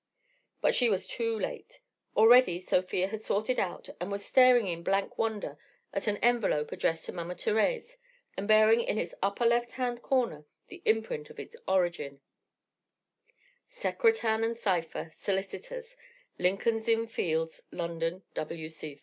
But she was too late. Already Sofia had sorted out and was staring in blank wonder at an envelope addressed to Mama Thérèse and bearing in its upper left hand corner the imprint of its origin: _Secretan & Sypher Solicitors Lincoln's Inn Fields London, W.C.